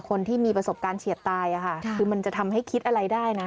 คนที่มีประสบการณ์เฉียดตายอะค่ะคือมันจะทำให้คิดอะไรได้นะ